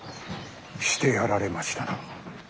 してやられましたな。